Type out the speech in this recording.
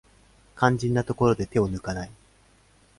肝心なところで手を抜かない